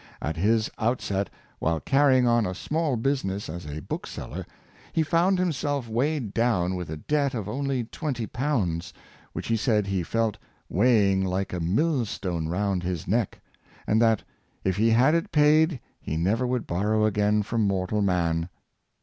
At his outset, while carrying on a small business as a bookseller, he found himself weighed down with a debt of only twenty pounds, which he said he felt " weighing like a millstone round his neck," and that " if he had it paid he never would borrow again from mortal man.'